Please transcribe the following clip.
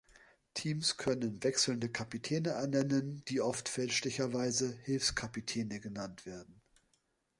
Teams können wechselnde Kapitäne ernennen, die oft fälschlicherweise „Hilfskapitäne“ genannt werden.